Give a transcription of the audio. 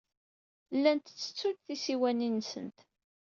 Llant ttettunt tisiwanin-nsent.